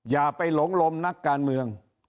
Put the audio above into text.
อย่าไปหลงลมนักการเมือง